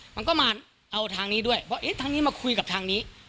มันก็มาเอาทางนี้ด้วยเพราะเอ๊ะทางนี้มาคุยกับทางนี้